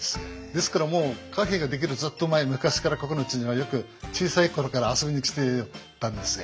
ですからもうカフェが出来るずっと前昔からここのうちにはよく小さい頃から遊びに来てたんですよ。